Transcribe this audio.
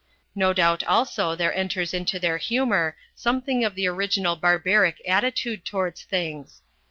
No doubt also there enters into their humour something of the original barbaric attitude towards things.